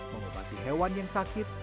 mengobati hewan yang sakit